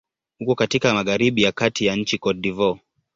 Uko katika magharibi ya kati ya nchi Cote d'Ivoire.